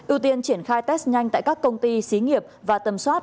ưu tiên triển khai test nhanh tại các công ty xí nghiệp và tầm soát